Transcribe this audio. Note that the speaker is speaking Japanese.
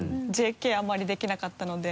ＪＫあんまりできなかったので。